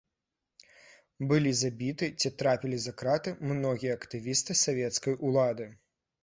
Былі забіты ці трапілі за краты многія актывісты савецкай улады.